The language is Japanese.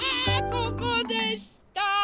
ここでした！